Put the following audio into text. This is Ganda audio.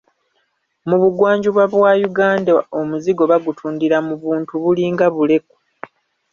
Mu Bugwanjuba bwa Uganda omuzigo bagutundira mu buntu bulinga buleku.